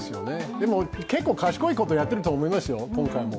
でも結構賢いことをやっていると思いますよ、今回も。